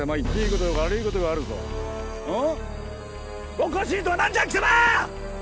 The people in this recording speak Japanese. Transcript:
おかしいとは何じゃ貴様！